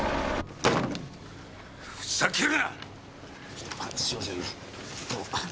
ふざけるなっ！